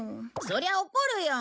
そりゃ怒るよ。